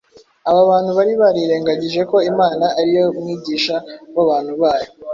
Aba bantu bari barirengagije ko Imana ari yo mwigisha w’abantu bayo